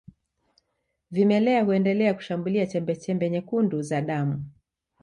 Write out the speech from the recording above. Vimelea huendelea kushambulia chembechembe nyekundu za damu